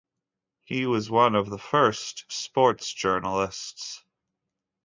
He was one of the first sports journalists.